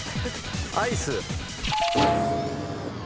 アイス。